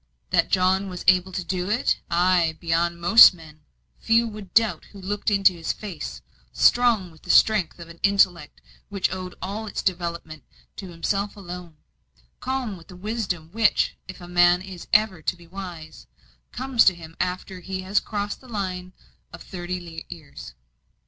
That John was able to do it ay, beyond most men few would doubt who looked into his face; strong with the strength of an intellect which owed all its development to himself alone; calm with the wisdom which, if a man is ever to be wise, comes to him after he has crossed the line of thirty years.